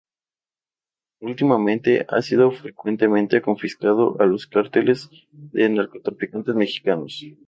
Últimamente ha sido frecuentemente confiscado a los cárteles de narcotraficantes mexicanos.